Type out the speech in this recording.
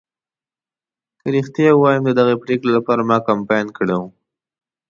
که رښتیا ووایم ددغې پرېکړې لپاره ما کمپاین کړی و.